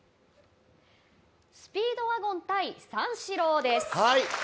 スピードワゴン対三四郎です。